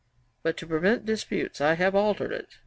But to prevent disputes I have altered it.